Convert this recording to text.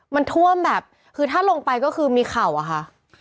มันท่วมแบบคือถ้าลงไปก็คือมีเข่าอะค่ะ